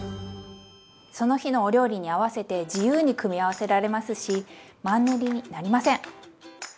その日のお料理に合わせて自由に組み合わせられますしマンネリになりません！